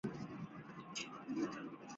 满浦线